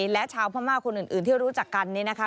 และชาวพม่าคนอื่นที่รู้จักกันนี่นะคะ